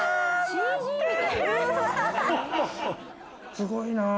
すごいな。